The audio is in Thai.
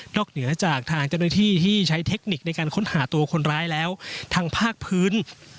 เหนือจากทางเจ้าหน้าที่ที่ใช้เทคนิคในการค้นหาตัวคนร้ายแล้วทางภาคพื้น